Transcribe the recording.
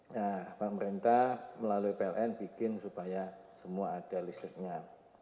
nah pemerintah melalui pln bikin supaya semua ada listriknya